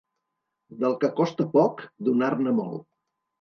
Del que costa poc, donar-ne molt.